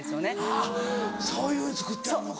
あっそういうふうに作ってはるのか。